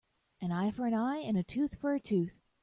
An eye for an eye and a tooth for a tooth.